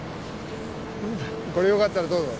これよかったらどうぞ。